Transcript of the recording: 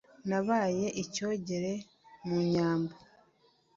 nabaye icyogere mu nyambo